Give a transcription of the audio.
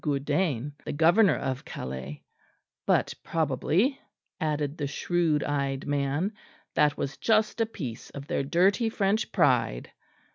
Gourdain, the governor of Calais; but probably, added the shrewd eyed man, that was just a piece of their dirty French pride.